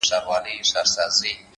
مهرباني له قهره پیاوړې اغېزه لري.